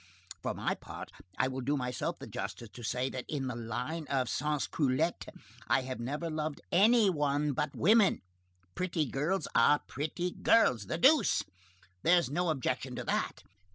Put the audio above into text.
For my part, I will do myself the justice to say, that in the line of sans culottes, I have never loved any one but women. Pretty girls are pretty girls, the deuce! There's no objection to that.